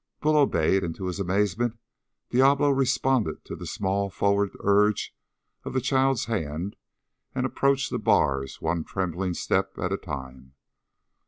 Bull obeyed, and to his amazement, Diablo responded to the small forward urge of the child's hand and approached the bars one trembling step at a time.